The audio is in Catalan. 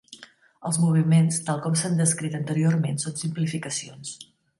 Els moviments tal com s'han descrit anteriorment són simplificacions.